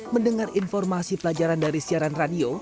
mendengar informasi pelajaran dari siaran radio